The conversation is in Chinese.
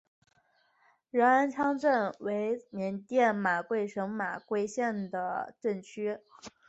仁安羌镇为缅甸马圭省马圭县的镇区。